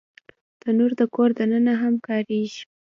تنور د کور دننه هم ځایېږي